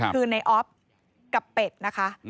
คือในออฟกับเป็ดนะคะ